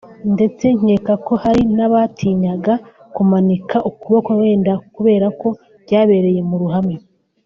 ndetse nkeka ko hari n’abatinyaga kumanika ukuboko wenda kubera ko byabereye mu ruhame